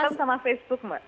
instagram sama facebook mbak